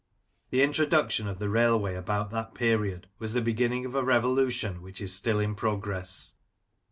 The introduction of the railway about that period was the beginning of a revolution which is still in progress.